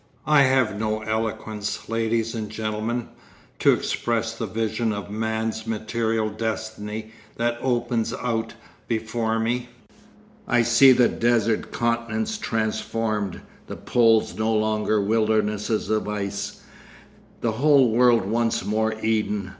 I have no eloquence, ladies and gentlemen, to express the vision of man's material destiny that opens out before me. I see the desert continents transformed, the poles no longer wildernesses of ice, the whole world once more Eden.